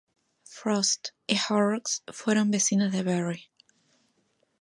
Frost y Horrocks fueron vecinos de Barry.